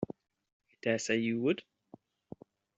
I dare say you would!